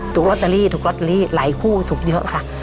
ลอตเตอรี่ถูกลอตเตอรี่หลายคู่ถูกเยอะค่ะ